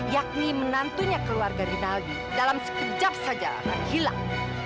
yakni menantunya keluarga rinaldi dalam sekejap saja akan hilang